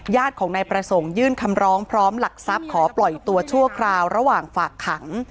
ญาติของนายประสงค์ยื่นคำร้องพร้อมหลักทรัพย์ขอปล่อยตัวชั่วคราวระหว่างฝากขัง